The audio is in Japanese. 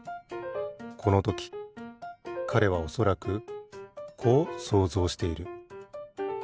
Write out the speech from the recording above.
このときかれはおそらくこう想像している。